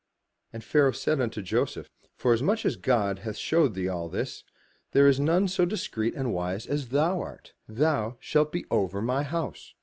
" And Pharaoh said unto Joseph, "For as much as God hath shewed thee all this, there is none so discreet and wise as thou art. Thou shalt be over my house."